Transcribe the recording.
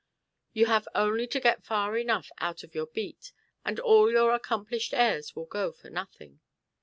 You have only to get far enough out of your beat, and all your accomplished airs will go for nothing.